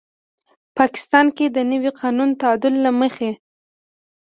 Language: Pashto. پاکستان کې د نوي قانوني تعدیل له مخې